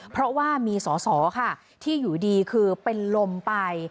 เพราะว่ามีสอสอค่ะที่อยู่ดีคือเป็นลมไป